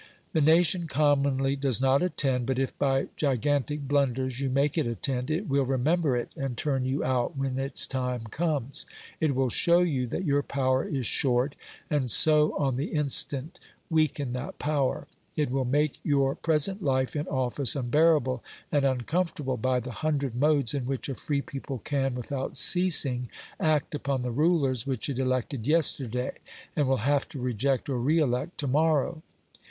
The nation commonly does not attend, but if by gigantic blunders you make it attend, it will remember it and turn you out when its time comes; it will show you that your power is short, and so on the instant weaken that power; it will make your present life in office unbearable and uncomfortable by the hundred modes in which a free people can, without ceasing, act upon the rulers which it elected yesterday, and will have to reject or re elect to morrow.